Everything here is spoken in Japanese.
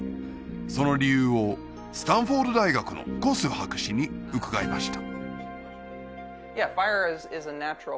その理由をスタンフォード大学のゴス博士に伺いました